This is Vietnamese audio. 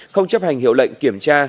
không chấp hành hiểu lệnh kiểm tra